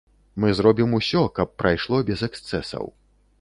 Мы зробім усё, каб прайшло без эксцэсаў.